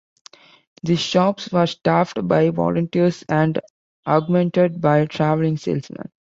These shops were staffed by volunteers and augmented by travelling salesmen.